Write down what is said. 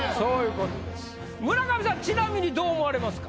村上さんちなみにどう思われますか？